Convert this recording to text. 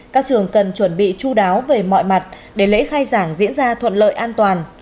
các trường cần chuẩn bị chú đáo về mọi mặt để lễ khai giảng diễn ra thuận lợi an toàn